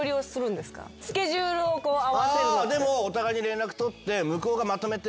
でもお互いに連絡取って。